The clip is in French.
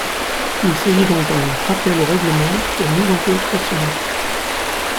Il s’agit donc d’un rappel au règlement pour mise en cause personnelle.